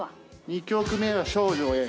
２曲目は『少女Ａ』。